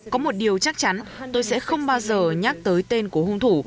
có một điều chắc chắn tôi sẽ không bao giờ nhắc tới tên của hung thủ